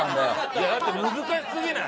いやだって難しすぎない？